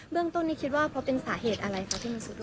เบื้องตรงนี้คิดว่าพอเป็นสาเหตุอะไรคะที่มันสูงด้วย